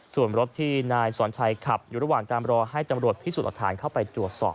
ส่วนรถที่นายสอนชัยขับอยู่ระหว่างการรอให้ตำรวจพิสูจน์หลักฐานเข้าไปตรวจสอบ